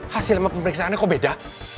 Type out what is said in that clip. hasil pemeriksaannya kok beda